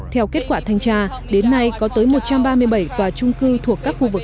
theo kết quả thanh tra đến nay có tới một trăm ba mươi bảy tòa trung cư thuộc các khu vực